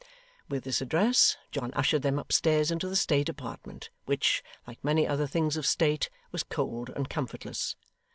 With this address, John ushered them upstairs into the state apartment, which, like many other things of state, was cold and comfortless.